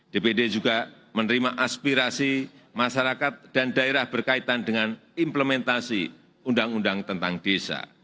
dpd juga menerima aspirasi masyarakat dan daerah berkaitan dengan implementasi undang undang tentang desa